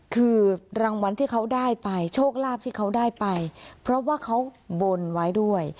คือรางวัลที่เขาได้ไปโชคลาภที่เขาได้ไปเพราะว่าเขาบนไว้ด้วย